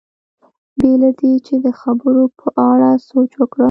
بې له دې چې د خبرو په اړه سوچ وکړم.